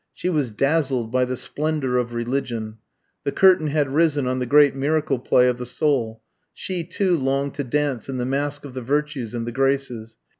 She was dazzled by the splendour of religion. The curtain had risen on the great miracle play of the soul; she, too, longed to dance in the masque of the virtues and the graces.